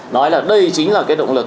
nói là đây chính là cái động lực